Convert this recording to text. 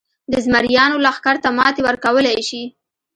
د زمریانو لښکر ته ماتې ورکولای شي.